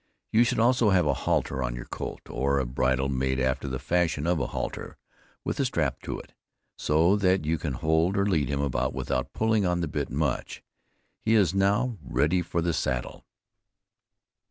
You should also have a halter on your colt, or a bridle made after the fashion of a halter, with a strap to it, so that you can hold or lead him about without pulling on the bit much. He is now ready for the saddle.